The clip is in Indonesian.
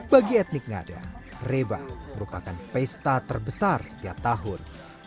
bagi etnik ngada reba merupakan pesta terbesar setiap tahun